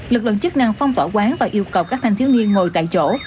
lực lượng chức năng phong tỏa quán và yêu cầu các thanh thiếu niên ngồi tại chỗ